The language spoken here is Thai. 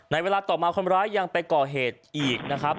เวลาต่อมาคนร้ายยังไปก่อเหตุอีกนะครับ